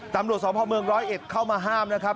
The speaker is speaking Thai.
ตำรวจสมภเมือง๑๐๑เข้ามาห้ามนะครับ